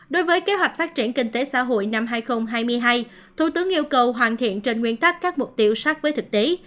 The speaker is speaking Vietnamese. đối với kế hoạch phát triển kinh tế xã hội năm hai nghìn hai mươi hai thủ tướng yêu cầu hoàn thiện trên nguyên tắc các mục tiêu sát với thực tế